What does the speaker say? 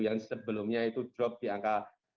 yang sebelumnya itu drop di angka lima puluh enam puluh